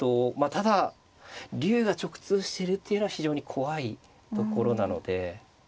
ただ竜が直通してるっていうのは非常に怖いところなので。